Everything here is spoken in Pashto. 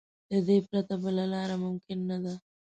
له دې پرته بله لار ممکن نه ده.